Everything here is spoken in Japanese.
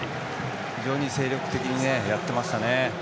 非常に精力的にやっていました。